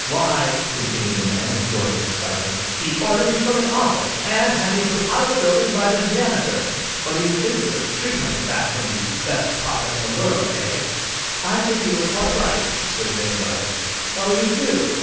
"Why," continued the man, with growing excitement, "he ordered me from his office, and had me put out of the building by the janitor! What do you think of such treatment as that from the 'best papa in the world,' eh?" "I think he was quite right," said Jane Gladys. "Oh, you do?